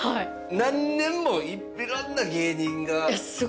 何年もいろんな芸人が。